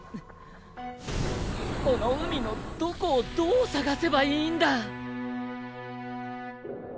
この海のどこをどう捜せばいいんだ！